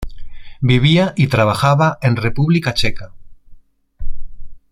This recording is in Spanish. Vivía y trabajaba en República Checa.